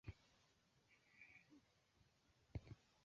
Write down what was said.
juu ya mlango wa hoteli na maduka Wanasema kuwa watoto